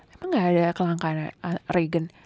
emang gak ada kelangkahan regen